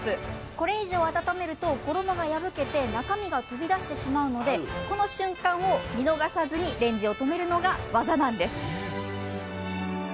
これ以上、温めると衣が破けて中身が飛び出てしまうのでこの瞬間を見逃さずにレンジを止めるのが技なんです。